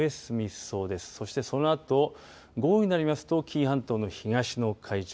そしてそのあと午後になりますと紀伊半島の東の海上。